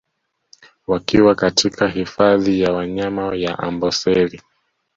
Wakiwa katika hifadhi ya wanyama ya Amboseli